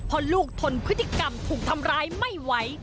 เพราะลูกทนพฤติกรรมถูกทำร้ายไม่ไหว